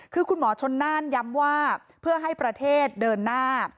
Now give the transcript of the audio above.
คือคุณหมอชนน่านย้ำว่าเพื่อให้ประเทศเดินหน้า